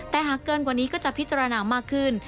แต่หากเกินกว่านี้ก็จะพิจารณามากขึ้น